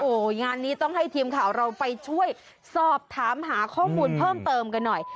โอ้โหงานนี้ต้องให้ทีมข่าวเราไปช่วยสอบถามหาข้อมูลเพิ่มเติมกันหน่อย